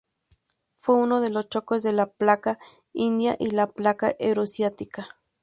Fue uno de los choques de la placa India y la placa Euroasiática.